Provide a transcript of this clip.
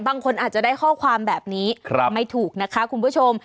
บางคนอาจจะได้ข้อความแบบนี้ไม่ถูกนะคะคุณผู้ชม